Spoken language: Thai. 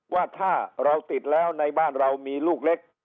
ว่าถ้าเราติดแล้วในบ้านเรามีลูกเล็ก